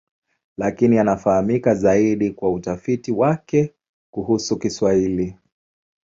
Lakini anafahamika zaidi kwa utafiti wake kuhusu Kiswahili.